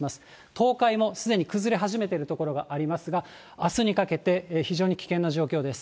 東海もすでに崩れ始めている所がありますが、あすにかけて、非常に危険な状況です。